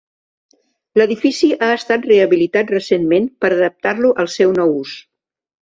L'edifici ha estat rehabilitat recentment per adaptar-lo al seu nou ús.